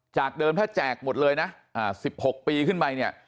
เดิมถ้าแจกหมดเลยนะ๑๖ปีขึ้นไปเนี่ย